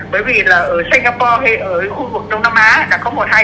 bởi vì ở singapore hay khu vực đông nam á đã có một hai trường hợp rồi